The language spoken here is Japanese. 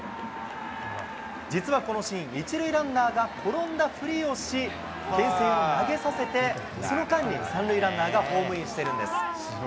実はこのシーン、１塁ランナーが転んだふりをし、けん制を投げさせて、その間に３塁ランナーがホームインしてるんです。